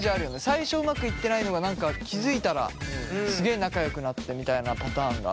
最初うまくいってないのが気付いたらすげえ仲良くなってたみたいなパターンが。